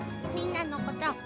みんなのこと